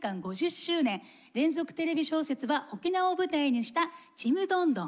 連続テレビ小説は沖縄を舞台にした「ちむどんどん」。